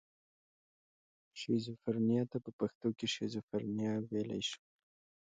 شیزوفرنیا ته په پښتو کې شیزوفرنیا ویلی شو.